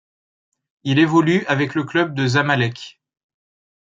Il évolue avec le club de Zamalek.